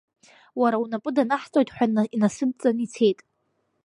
Уара унапы данаҳҵоит ҳәа инасыдҵаны ицеит.